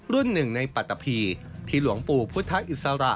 รุ่นหนึ่งในปฏภีร์ที่หลวงปู่พุทธอิสระ